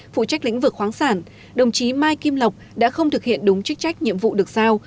phụ trách lĩnh vực khoáng sản đồng chí mai kim lộc đã không thực hiện đúng chức trách nhiệm vụ được sao